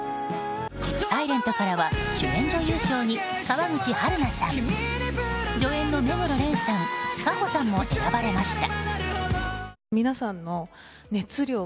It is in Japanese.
「ｓｉｌｅｎｔ」からは主演女優賞に川口春奈さん助演の目黒蓮さん夏帆さんも選ばれました。